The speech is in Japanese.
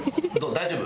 大丈夫？